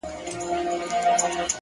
اخلاق د شخصیت رښتینی رنګ دی.